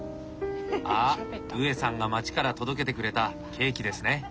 あっウエさんが町から届けてくれたケーキですね。